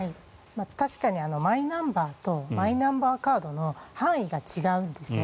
確かにマイナンバーとマイナンバーカードの範囲が違うんですね。